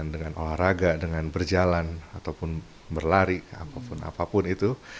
dengan olahraga dengan berjalan ataupun berlari apapun apapun itu